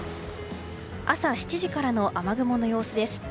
朝７時からの雨雲の様子です。